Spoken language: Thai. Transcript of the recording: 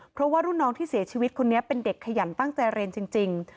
เพราะว่ารุ่นน้องที่เสียชีวิตคนนี้เป็นเด็กขยันตั้งใจเรียนจริง